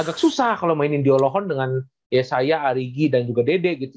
agak susah kalau mainin dio lawon dengan yesaya ariygy dan juga dedek gitu